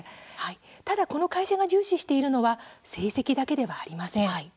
ただ、この会社が重視しているのは成績だけではありません。